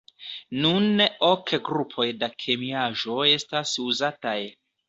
Nune ok grupoj da kemiaĵo estas uzataj.